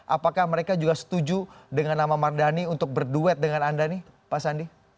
apakah mereka juga setuju dengan nama mardhani untuk berduet dengan anda nih pak sandi